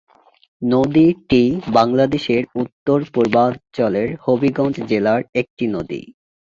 নদীটি বাংলাদেশের উত্তর-পূর্বাঞ্চলের হবিগঞ্জ জেলার একটি নদী।